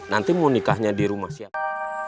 nanti mau nikahnya di rumah siapa